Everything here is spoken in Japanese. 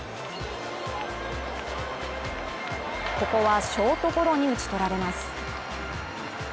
ここはショートゴロに打ち取られます。